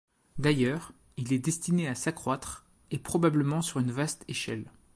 D’ailleurs, il est destiné à s’accroître, et probablement sur une vaste échelle.